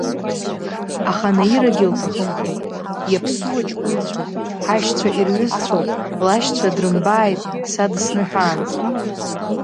Аха Наирагьы илҭахымхеит, иаԥсуа ҷкәынцәоуп, ҳашьцәа ирҩызцәоуп лашьцәа дрымбааит са дысныҳәаанӡа!